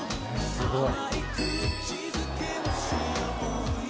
すごい。